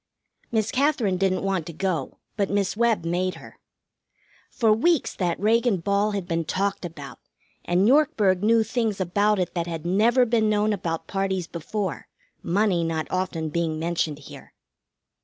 Miss Katherine didn't want to go, but Miss Webb made her. For weeks that Reagan ball had been talked about, and Yorkburg knew things about it that had never been known about parties before, money not often being mentioned here.